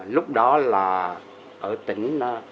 lúc đó là ở tỉnh phú nguyên